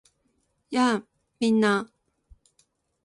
やあ！みんな